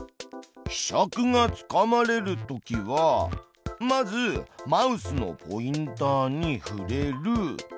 ひしゃくがつかまれるときはまずマウスのポインターに触れる。